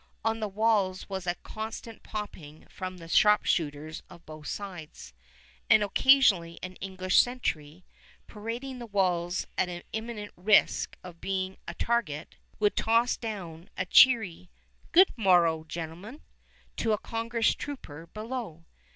On the walls was a constant popping from the sharpshooters of both sides, and occasionally an English sentry, parading the walls at imminent risk of being a target, would toss down a cheery "Good morrow, gentlemen," to a Congress trooper below.